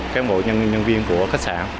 các ngôi nhân viên của khách sạn